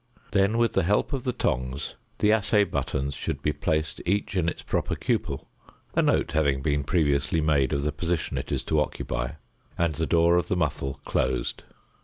Then with the help of the tongs (fig. 42) the assay buttons should be placed each in its proper cupel; a note having been previously made of the position it is to occupy, and the door of the muffle closed.